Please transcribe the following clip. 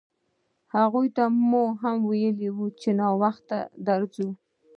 هغه ته مو هم ویلي وو چې ناوخته درځو.